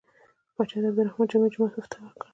پاچا د عبدالرحمن جامع جومات افتتاح کړ.